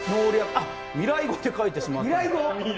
あっ、未来語で書いてしまった。